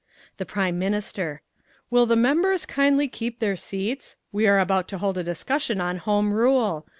The Prime Minister. "Will the members kindly keep their seats? We are about to hold a discussion on Home Rule.